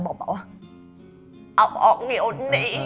บอกว่าเอาออกเดี๋ยวนี้